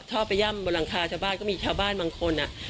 ชอบไปย่ำบนหลังคาชาวบ้านก็มีชาวบ้านบางคน